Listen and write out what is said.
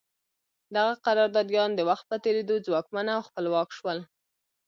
دغه قراردادیان د وخت په تېرېدو ځواکمن او خپلواک شول.